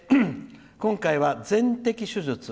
今回は全摘手術。